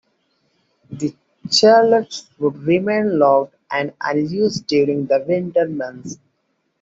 The chalets would remain locked and unused during the winter months.